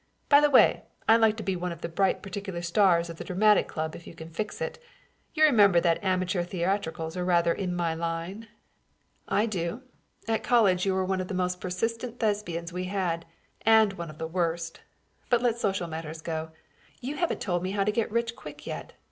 By the way, I'd like to be one of the bright particular stars of the Dramatic Club if you can fix it. You remember that amateur theatricals are rather in my line." "I do. At college you were one of the most persistent Thespians we had, and one of the worst. But let social matters go. You haven't told me how to get rich quick yet.